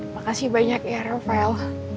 makasih banyak ya rafael